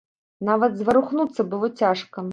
Нават зварухнуцца было цяжка.